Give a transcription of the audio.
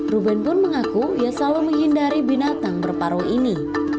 ruben pun mengaku ia selalu menghindari binatang berparuh ini